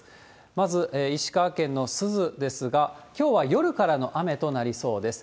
まず石川県の珠洲ですが、きょうは夜からの雨となりそうです。